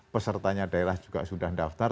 pesertanya daerah juga sudah daftar